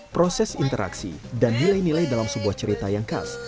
proses interaksi dan nilai nilai dalam sebuah cerita yang khas